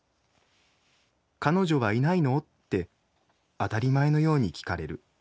『彼女はいないの？』って当たり前のように聞かれる。